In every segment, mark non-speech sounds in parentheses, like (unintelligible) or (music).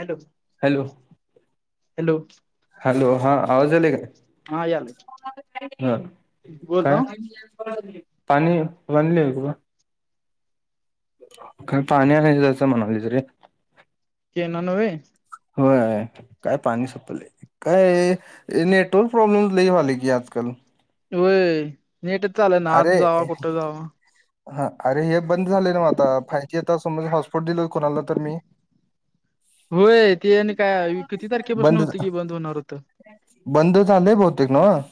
Hello, hello hello. Hello! हां आवाज यालय काय? हा याल (inaudible) हा, बोल काय? (unintelligible) काल पाणी आणाय जायच म्हणालेत रे! केनान व्हय? होय! काय पाणी सपलंय. काय! नेटवर्क प्रॉब्लम लय व्हालय की, आज काल. होय! नेटच चालना आत अरे जावा कुठं जावा. हा, अरे! हे बंद झालय नव्ह आता फायजी आता समज हॉटस्पॉट दिलं कोणाला तर मी होय! ते आणि काय किती तारखेपासून होतं की, बंद होणार होतं. बंद झालंय बहुतेक नव्ह.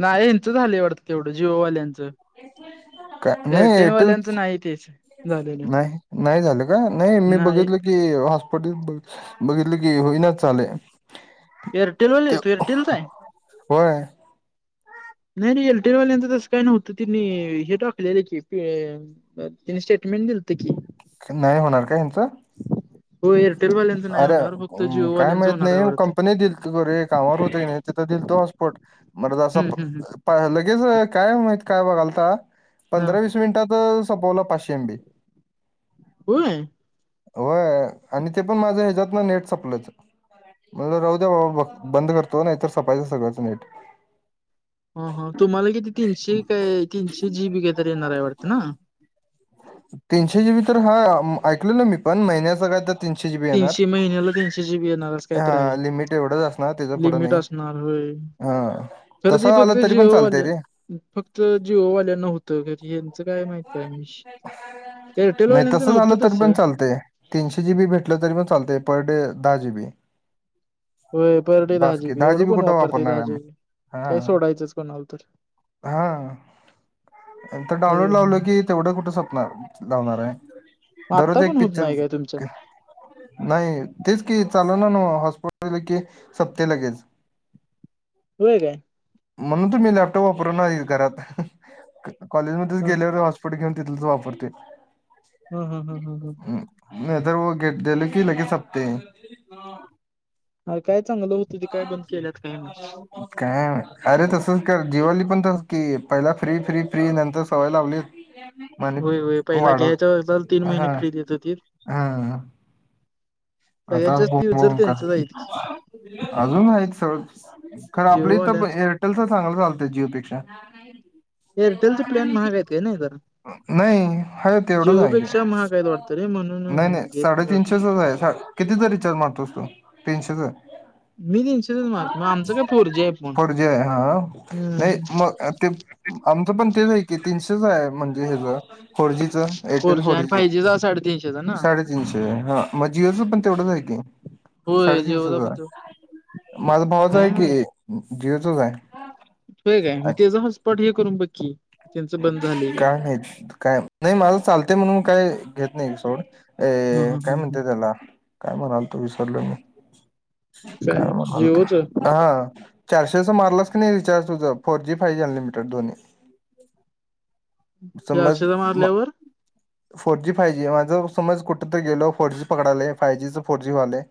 नाही! हेचं झालय वाटतं तेवढं जीओ वाल्यांचं. (unintelligible) का, नाही एरटेलच, नाही तेच झालेलं नाही -नाही झालं का! नाही मी बघितलं की हॉटस्फाॅटच बघितलं की, होईनाच झालया. एअरटेललाच येतंय एअरटेलच आहे? होय! नाही - नाही एअरटेल वाल्याच तसं काय नव्हतं तेनी हे टाकलेलं की तेनी स्टेटमेंट दिलत की. नाही होणार का हेंच? हो, एअर अरं! हं काय माहित होणार आहे नाही. वाटतं कंपनी दिलती (unintelligible) टावार होते का नाय, तिथं दिलत हाॅटस्पॉट बरं हम्म हम्म झालं (unintelligible) लगेच अ काय माहित काय बघालता, ह पंधरा- वीस मिनिटात संपवला फास्ट (unintelligible) कोण आहे? होय आणि ते पण माझं हेच्यातल नेट संपलवत. म म्हणल राहू द्या बाबा ब- बंद करतो. नाही तर सपायचं सगळचं नेट. हा-हा, तुम्हाला किती तीनशे काय, तीनशे जी बी काहीतरी येणार आहे वाटत ना? तीनशे जी बी तर हा, ऐकलेल मी पण महिन्याचा काय तर तीनशे जीबी येणार तीनशे, महिन्याला तीनशे जी बी येणार असं कायतरी आहे. हा लिमिट एवढंच असणार त्याच्या पुढं लिमिट नाही असणार होय. हा तरी तसं ते आलं फक्त तरी पण चालतंय जिओवाल्या रे फक्त जीओवाल्याना होतंय काय तरी, हेचं काय माहित काय विष (inaudible) नाही एअरटेलवाल्यांचं तस झालं नव्हतं तरी पण तसं. चालतय. तीनशे जी बी भेटलं तरी पण चालतय. पॉईंट दहा जी बी. होय, पर डे दहा जी की बी, एवढं जीबी कोण कुठं वापरतय वापरणार दहा आहे जी आम्ही बी, काय हा सोडायचंच कोणाल तर. हा. ‌. नंतर होय डाउनलोड होय लावल की तेवढं कुठ स पणार -लावणाराय, आता दररोज पण एक होत पिक्चर नाही काय तुमच्यात नाही. तेच की, चालना नव्ह, हॉटस्पाॅट दिल की, संपतंय लगेच. (inaudible) होय काय? म्हणून तर मी लॅपटॉप वापरना (inaudible) घरात कॉलेजमध्येच हा गेल्यावर हॉस्पॉट घेऊन तिथलंच वापरतोय. हम्म -हम्म- हम्म -हम्म -हम्म हम्म! नाही तर व गे दिल की लगेच संपतंय. अ काय चांगलं होतं ते काय बंद केल्यात काय माहित. काय म, अरे तसच कर जिओ वाली पण तसच की पहिला फ्री फ्री फ्री नंतर सवय लावलीत (unintelligible) व्हय व्हय पहिला घ्यायचच्या वक्ताला तीन महिने फ्री देत होती. हा आता (inaudible) कर त्यांचंच आहेत की अजून आहेत सोड, खरं आपली इथं एर (inaudible) जिओवाल्यांचं. एअरटेलच चांगल चालतय जीओ पेक्षा. एअरटेलच प्लॅन महाग हेत की नयी जरा नाही हाय तेवढंच आहे की, जिओपेक्षा महाग आहेत वाटतं रे नाही म्हणून नाही घेत वाटतं. साडेतीनशेच आहे, साडे कितीच रिचार्ज मारतोस तु?, तीनशेचा मी तीनशेचाच महाग मग आमचं काय फोर जी आहे फोन. फोर जी आहे हा, नाही हम्म मग अ ते आमचं पण तेच आहे की, तीनशेच आहे म्हणजे हेच फोर जी च, एअरटेल जी फोर आणि फाय जीच जीचा साडेतीनशेचा ना साडेतीनशे. म जिओ च पण तेवढंच आहे की. होय जिओचा साडेतीनशेचा पण तो आहे, माझ भावाचा आहे काय माहित की जिओचा च आहे होय काय म तेचा हॉट स्पॉट हे करून बघ की त्यांचं बंद झालंय काय का माहित, काय नाही माझ चालतय म्हणून काय घेत नाही सोड. हा ए हा काय हा हा म्हणत्यात त्याला काय म्हणालतो विसरलो मी काय म्हणालतो? हा चारशेचा मारलास क नयी रिचार्ज तुझ four G, five G unlimited दोन्ही. समज चारशेचा म मारल्यावर फोर जी, फाय जी जर समज कुठ तर गेलो फोर जी पकडालय, फाय जी च फोर जी व्हालय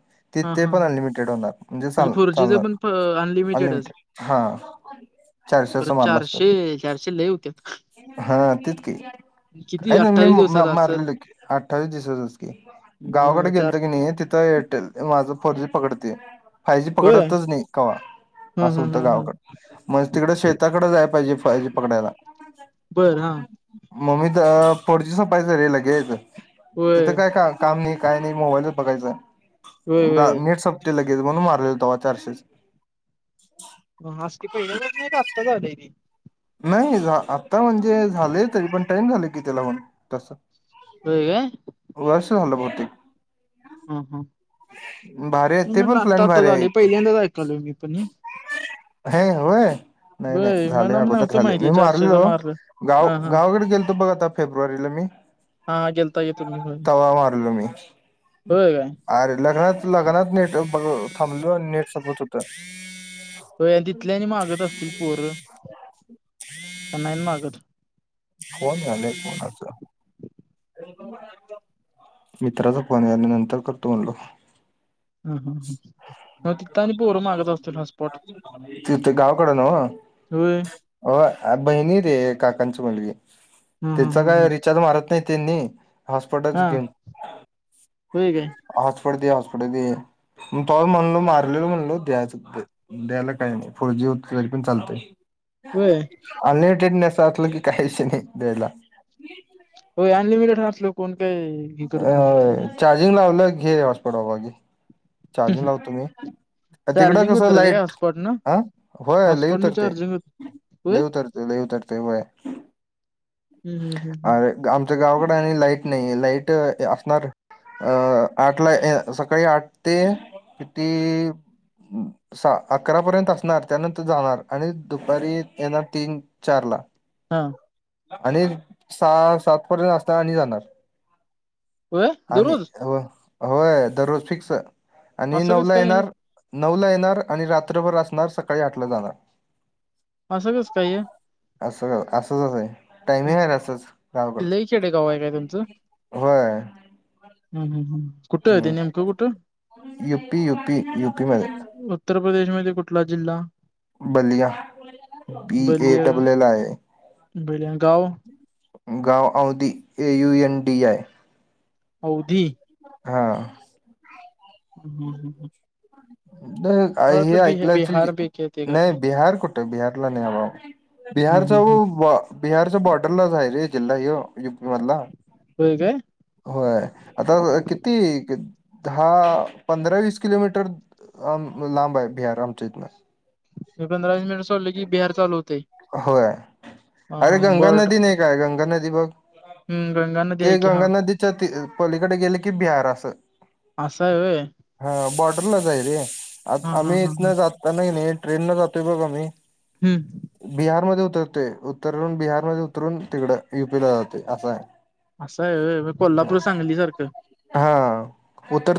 हा हा तिथे हा. पण म्हणजे अनलिमिटेड होणार, म्हणजे चाल फोर जीच चालणार पण अनलिमिटेडच. अनलिमिटेड हा. खरं चारशेचा मारला चारशे असतात चारशे लय हुत्यात. हा तेच की किती काय नाय मी अठ्ठावीस मार दिवसाचा असल मारलेल की अठ्ठावीस दिवसाच च की मग गावाकडे चार गेलतो की तिथं हाय एअरटेल माझं फोर जी पकडतय फाय जी होय पकडतच नाही कवा, हा असं हा हा होतं हा गावाकड मग तिकड शेताकड जायला पाहिजे फाय जी पकडायला बर हा म माझं फोर जी संपायच रे लगेच तिथ होय काय काम नाही काय नाही, मोबाईलच बघायचं होय नेट संपतय लगेच म्हणून मारलेलं तवा चारशेच. म आज ते पहिल्या (inaudible) नाही का आताच झालय ते नाही आता म्हणजे झालय तरी पण टाईम झालय की त्याला पण तस. होय काय? वर्ष झालं बहुतेक ह ह भारी आहे मी ते म्हटलं पण आता प्लॅन आता भारी आहे झालय, की पहिल्यांदाच ऐकालोय मी पण हे हे होय, नाही नाही होय झालय मला अगोदर नव्हतं झालय माहिती मी चारशेचा मारलेलो मारलं गाव, हा हा गावाकडे गेलतो बघा आता फेब्रुवारीला मी हा गेलता की तुम्ही होय, तवा मारलो मी होय काय अरे लग्नात लग्नात नेट बघ थांबलो नेट संपत होत व्हय आणि तिथले आणि मागत असतील पोर, नाही मागत. फोन यायलाय कोणाचा मित्राचा फोन आहे मी नंतर करतो म्हणलो हम्म हं तिथ गावाकड नवं होय होय बहिणी रे काकांची मुलगी हा हा त्यांचा हा काय हा रिचार्ज मारायचा नाही त्यांनी हॉसस्पॉटच हा घेऊन होय काय हॉटस्पॉट दे हॉटस्पॉट दे मग तो म्हणलो मारलेल म्हणलो द्यायचं द्यायला काही नाही फोर जी होतं तरी पण चालतंय होय अनलिमिटेड असलं की काहीच विषय नाही द्यायला. होय अनलिमिटेड असलं कि कोण काही हे अ करत नव्हतं. चार्जिंग लावलं घे हॉटस्पॉट बाबा घे चार्जिंग लावतो मी तिकडं चार्जिंग कसं उतरते का लाईट हॉटस्पॉट न हा होय लय हॉटस्पॉटनं उतर ती. चार्जिंग होत होय? लय उतरती लय उतरती होय हम्म हम्म हम्म हम्म अरे आमच्या गावाकडे आणि लाईट नाही लाईट असणार अं आठला सकाळी आठ ते किती सा अकरापर्यंत असणार त्यानंतर जाणार आणि दुपारी येणार तीन चारला हा आणि सहा सात पर्यंत असणार आणि जाणार. होय आणि दररोज हो हो दररोज फिक्स आणि असं कसं नऊला काय हे? येणार नऊ ला येणार आणि रात्रभर असणार सकाळी आठ ला जाणार. असं कासकाय हे असं असचं आहे. टायमिंग आहे असंच गावाकडच लई खेडेगाव आहे काय तुमचं? होय हम्म हम्म हम्म कुठं ते हम्म. नेमकं कुठं? युपी युपी युपी मध्ये उत्तर प्रदेशमध्ये कुठला जिल्हा? Ballia B A double L I आहे. बेलगाव. गाव औदीअ A U N D I. Aundi हा हम हम हम ह. हे ऐकलं असेल बिहार की पैकी येते का नाही काय? बिहार कुठे बिहारला नाही बाबा ब हम्म हम्म हम्म. (unintelligible) बिहारचा बॉर्डरलाच आहे रे जिल्हा यो युपी मधला होय काय? होय आता किती दहा पंधरा वीस किलोमीटर अम लांब आहे बिहार आमच्या इथनं मी पंधरा वीस मिनिट सोडलं की बिहार चालू होतंय. होय हा अरे हा गंगा बॉर्डर नदी नाही का? का गंगा नदी बघ हम्म गंगा नदी ते आहे की हा. गंगा नदीत छ पलीकडे गेले की बिहार असं. असं आहे होय. हा बॉर्डरला जा आहे रे हा आता हा आम्ही हा हा. इथनं जाताना नाही ट्रेनला जातोय बघ आम्ही हम्म बिहारमध्ये उतरते उतरून बिहारमध्ये उतरून तिकडं युपीला जाते असं आहे. असं आहे होय. मग कोल्हापूर सांगली सारखं. हा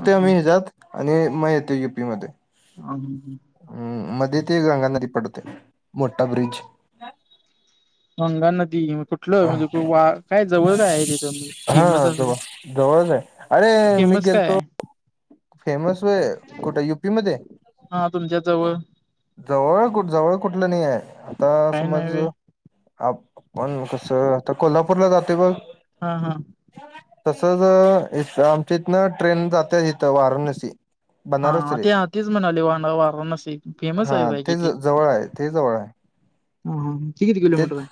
हा हा. मी हयाचत आणि मग येते युपी मध्ये ह हम ह. हम्म मध्ये ते गगा नदी पडते मोठा ब्रिज गंगा नदी कुठलं म्हणजे वा काय जवळ काय आहे तिथं हा फेमस असं जवळ काय? अरे मी गेलतो आहे फेमस वय कुठे युपी मध्ये? हा तुमच्या जवळ जवळ कुठं जवळ कुठलं नाही आहे आता काय नाही समज वे आप पण कसं आता कोल्हापूरला जातोय बघ? हा हा. तसच आमच्या इथं इथनं ट्रेन जाते इथं वाराणसी बनारस हा रे ते तेच म्हणाले वा वाराणसी फेमस हा आहे काय ते किती ज जवळ आहे ते जवळ आहे. हम्म हम्म ती किती किलो ते मीटर आहे?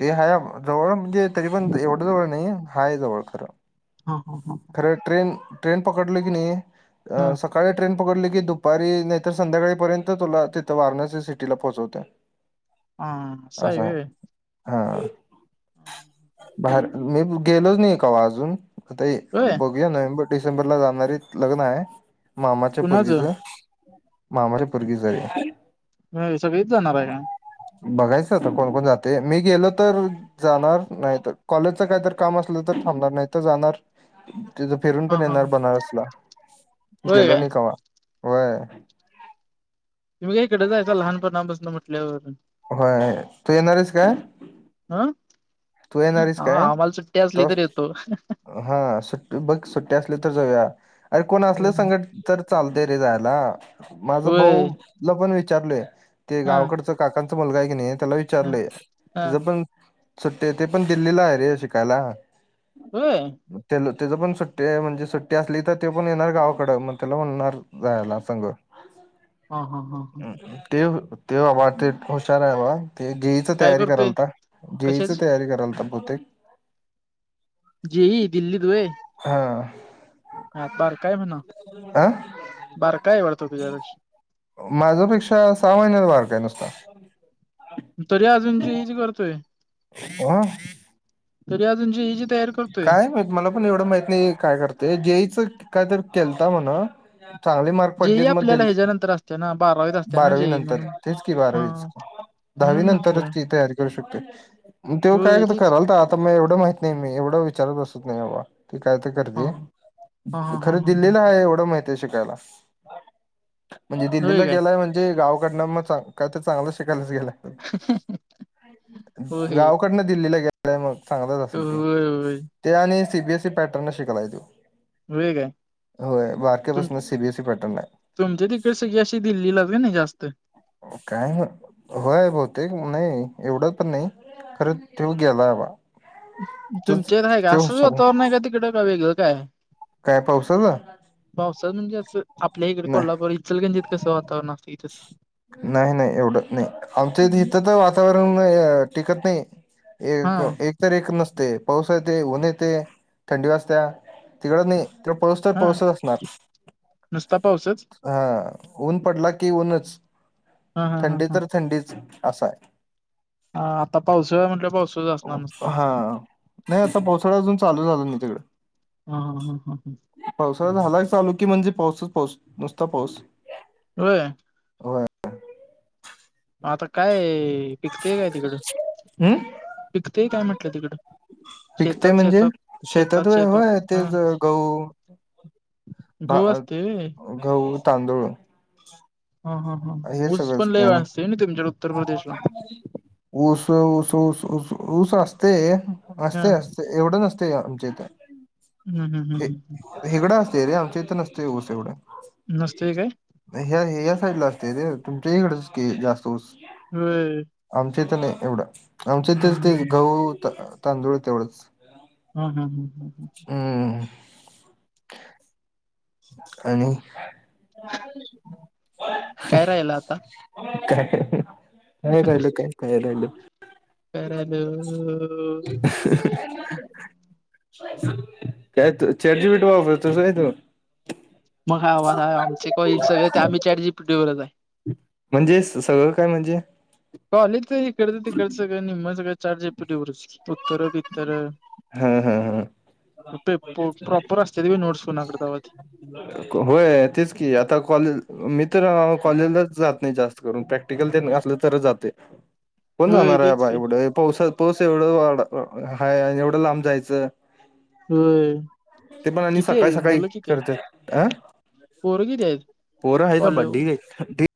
ते हाय जवळ म्हणजे तरी पण एवढं जवळ नाही हाय जवळ खरं. हा हा हा. ट ट्रेन पकडलोय की नाही अ हा सक काळी ट्रेन पकडली की दुपारी नाहीत तर संध्याकाळीपर्यंत तुला तिथं वाराणसी सिटीला पोहोचवत्या. आं असा आहे वे. हा. हां हां हां. बाहेर मी गेलोच नाही कव्हा अजून तरी होय बघ (unintelligible) नोव्हेंबर डिसेंबर ला जाणारे लग्न आहे मामाच्या कुणाचं पोरगीचा. मामाची पोरगीचा आहे. व्हय सगळीत जाणार आहे काय? बघायचं आता कोण कोण जाते मी गेलो तर जाणार नाही तर कॉलेजचा काहीतर काम असलं तर थांबणार नाही तर जाणार. तिथं फिरून हा पण हा येणार बनारसला होय गेलो काय नाही कव्हा वय. म्हणजे इकडे जायचा लहानपणा पासून म्हटल्यावर. होय तू येणार आहेस काय? आं तू येणारीस काय आम्हाला सुट्टी असली तोच तरी येतो. हा सुट्ट बघ सुट्टी असली तर जाऊया अरे कोण असलं संगट तर चालते रे जायला माझा होय भाऊला पण विचारलय ते हा गावकडचं काकांचा मुलगा आहे की नाही त्याला हा विचारलेय हा तिचं पण सुट्टी आहे ते पण दिल्लीला आहे रे शिकायला. होय. म तेलं त्याजा पण सुट्टी म्हणजे सुट्टी असली तर ते पण येणार गावाकडं मग त्याला म्हणणार जायला सग. (unintelligible) आ हा हा हा हम्म हम्म. तेव ते बाबा ते हुशार आहे बा ते जे ई चा काय तयारी करतोय करालता जे ई कशाची तयारी करालता बहुतेक. जी ई दिल्लीत वय. हा. आत बारका हाय म्हणाव अ बारका आहे वाढतो तुझ्यापेक्ष. माझ्यापेक्षा सहा महिन्याच बारका आहे नुसता. तरी अजून जी ई जी करतोय? हो. तरी अजून जे ई जी तयार करतोय? काय माहित मला पण एवढं माहीत नाही आहे काय करते जेई चा कायतर केलता म्हणा. चांगले मार्क जेई पडलेच म आपल्याला देल्ली ह्याच्यानंतर असते ना बारावीत असते ना बारावी जेई नंतर म्हणून तेच की हा बारावीच. दहावी म्हणून नंतरच म्हटलं की तयारी. करू शकतेय त्यो काय होय तर तेच करायलता आता मी एवढं माहित नाही मी एवढं विचारत बसत नाही बाबा. ते काय तर हा करतय हा हा हा खरं हा ह दिल्लीला हाय एवढं माहतीयं शिकायला. म्हणजे होय दिल्लीला काय गेलाय म्हणजे गावकडनं मग चा काय तर चांगलं शिकायलाच गेलाय. (inaudible) हो हे गावकडनं दिल्लीला गेलाय मग. चांगलंच असेल की होय होय ते आणि C B S E pattern शिकालाय त्यो. व्हय काय? होय तुम बारक्यापासन सी बी एस ई पॅ तुमच्या तिथ सगळी अशी दिल्लीलाच किनी जास्त. काय होय बहुतेक नाही एवढं पण नायी. खरं त्यो गेलाय बा. तोच तुमच्या इथं हाय काय तो असंच हुशार वातावरण आहे हाय का तिकडं? का वेगळं काय हाय? काय पावसाचा? पावसाच म्हणजे असं आपल्या इकडे नाही कोल्हापूर इचलकरंजीत कसं वातावरण असतय इथं. नाही नाही एवढं नाही हम्म. आमच्याहित तर वातावरण टिकत नायी. हा एक एक तर एक नसतय पाऊस येतय ऊन येतय थंडी वाजत्या तिकडं नई. त्यो पाऊस तर हा पाऊसच असणार. नुसता पाऊसच हां ऊन पडला की ऊनच हा हा हा थंडी हा तर थंडीच असायं.. हां आता पावसुळा म्हटलं पावसुळाच असणार नुसता. हा नाही आता पावसुळा अजून चालू झाला नायी तिकडं. हां हां हां हां. पावसाळा झाला चालू की म्हणजे पाऊसच पाऊस नुसता पाऊस. होय. होय आता काय पिकतेय काय तिकडं? हम्म. पिकतेय काय म्हटलं तिकडं? पिकतय शेतात म्हणजे शेतात शेतात व्हय ते हा गहू. गहू भात, असतोय व्हय गहू, तांदूळ हां हां हां हे ऊस सगळंच पण की लयी व्हय आणि असतय किनी तुम्हच्या ऊस ऊस ऊस ऊस ऊस असतय हा असतय अस एवढं नसतय घ्याआमच्या इथं. हुं हुं हुं हुं. हिगडं असतेय रे आमच्या इथं नसतोय ऊस एवढं. नसतय काय? ह्या हेज्या साईडला असतयं रे तुमच्या हिकडचकी जास्त ऊस. होय. आमच्या इथं नायी एवढं आमच्या हा इथे तेच हा ते गहू तांदूळ तेवढंच. हुंहुं हुं हुं. हुं. आणि (inaudible) काय राहिलं आता? काय काय राहिलं काय काय राहिलं. करायलो. (inaudible) काय तू चाट जी पी टी वापरतोस होय तू? मग हां (inaudible) आमचे (inaudible) सगळे ते आम्ही चाट जीपीटी वरच हाय. म्हणजे स सगळं काय म्हणजे? कॉलेच तरी करतं ते करचं का नि म सग का चार्जे पवर उत्तर बित्तर (unintelligible) हा हा हा, प्रॉपर असत व नोडसकनकडतावती, ह होय? तेच की. आता कॉलेज मी तर कॉलेजलाच जात नाही. जास्त करून प्रॅक्ट अस तर जाते कोण होय जाणार आहे तेच बा की एवढ (unintelligible) पासात पास एवढं वा एवढं लांब जायचं? होय. ते पण आणि किती सकाळी आहे -सकाळी मुलं किती आहेत? करतात? अं पोरं किती आहेत? पोरा ह ग कॉले ढिगे (unintelligible)